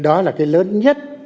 đó là cái lớn nhất